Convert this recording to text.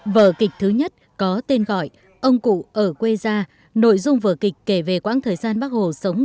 vở kịch thứ nhất có tên gọi ông cụ ở quê gia nội dung vở kịch kể về quãng thời gian bác hồ sống